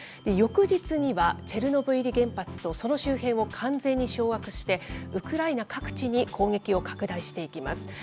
翌日には、チェルノブイリ原発と、その周辺を完全に掌握して、ウクライナ各地に砲撃を拡大していきます。